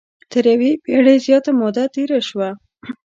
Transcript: تر یوې پېړۍ زیاته موده تېره شوه.